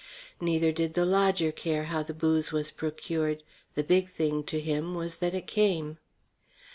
Neither did the lodger care how the booze was procured; the big thing to him was that it came.